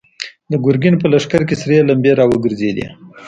د ګرګين په لښکر کې سرې لمبې را وګرځېدې.